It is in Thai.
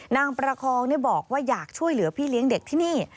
นางประคองบอกว่าอยากช่วยเหลือพี่เลี้ยงเด็กที่นี่